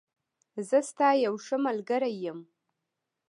زه ستا یوښه ملګری یم.